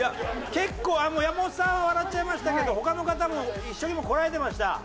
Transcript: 結構山本さんは笑っちゃいましたけど他の方も一生懸命こらえてました。